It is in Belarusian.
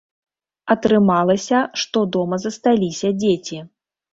Атрымалася, што дома засталіся дзеці.